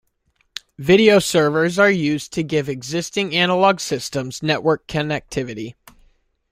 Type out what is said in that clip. Video servers are used to give existing analog systems network connectivity.